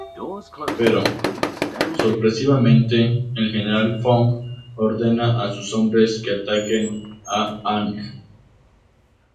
Pero, sorpresivamente el General Fong ordena a sus hombres que ataquen a Aang.